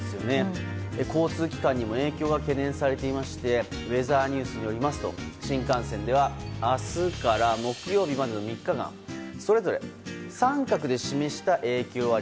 交通機関への影響も懸念されていましてウェザーニュースによりますと新幹線では明日から木曜日までの３日間それぞれ△で示した影響あり。